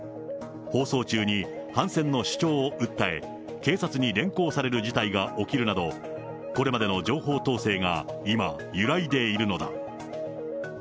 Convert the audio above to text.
放送中に反戦の主張を訴え、警察に連行される事態が起きるなど、これまでの情報統制が今、揺らいでいるのだ。